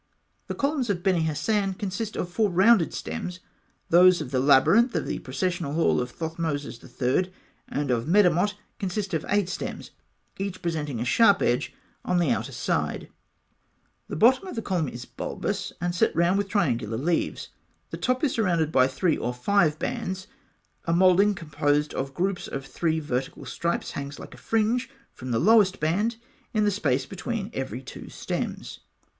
The columns of Beni Hasan consist of four rounded stems (fig. 68). Those of the Labyrinth, of the processional hall of Thothmes III., and of Medamot, consist of eight stems, each presenting a sharp edge on the outer side (fig. 69). The bottom of the column is bulbous, and set round with triangular leaves. The top is surrounded by three or five bands. A moulding composed of groups of three vertical stripes hangs like a fringe from the lowest band in the space between every two stems.